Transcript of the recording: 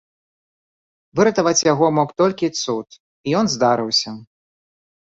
Выратаваць яго мог толькі цуд, і ён здарыўся.